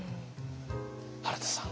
原田さん。